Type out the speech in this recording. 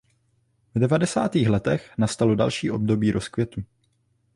V devadesátých letech nastalo další období rozkvětu.